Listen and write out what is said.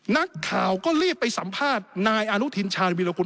นักข่าวก็รีบไปสัมภาษณ์นายอนุทินชาญวิรากุล